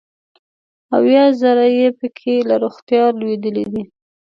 اویا زره یې پکې له روغتیا لوېدلي دي.